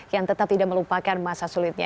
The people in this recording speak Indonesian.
yang tetap tidak melupakan masa sulitnya